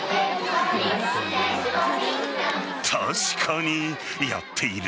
確かにやっている。